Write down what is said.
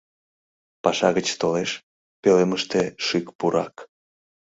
Паша гыч толеш, пӧлемыште шӱк-пурак.